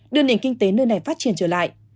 đưa nền kinh tế nơi này phát triển trở lại